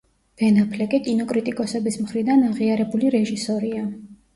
ბენ აფლეკი კინოკრიტიკოსების მხრიდან აღიარებული რეჟისორია.